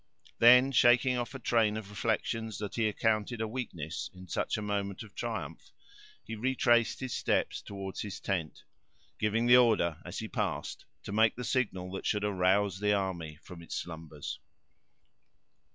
Then shaking off a train of reflections that he accounted a weakness in such a moment of triumph, he retraced his steps toward his tent, giving the order as he passed to make the signal that should arouse the army from its slumbers.